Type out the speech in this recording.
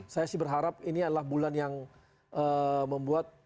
saya sih berharap ini adalah bulan yang membuat